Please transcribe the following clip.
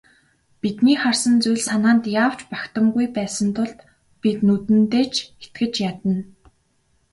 Бидний харсан зүйл санаанд яавч багтамгүй байсан тул бид нүдэндээ ч итгэж ядна.